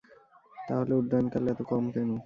তাহলে উড্ডয়নকাল এত কম কেন?